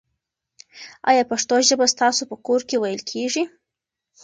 آیا پښتو ژبه ستاسو په کور کې ویل کېږي؟